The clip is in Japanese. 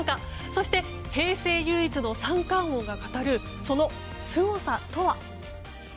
そして、平成唯一の三冠王が語るそのすごさとは。